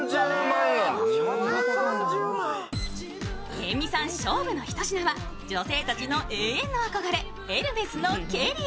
辺見さん勝負のひと品は、女性たちの永遠の憧れエルメスのケリー。